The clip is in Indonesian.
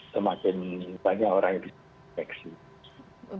semakin banyak orang yang disukses